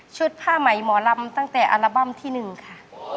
ผ้าใหม่หมอลำตั้งแต่อัลบั้มที่๑ค่ะ